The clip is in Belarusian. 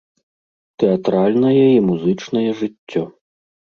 Тэатральнае і музычнае жыццё.